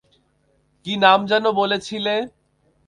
কী নাম যেনো বলেছিলে?